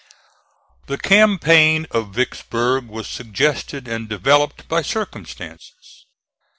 The campaign of Vicksburg was suggested and developed by circumstances.